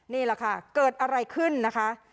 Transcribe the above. นี่แหละค่ะเกิดอะไรขึ้นนะคะ